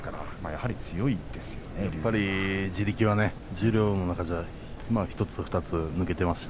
やはり地力は十両の中では１つ２つ抜けています。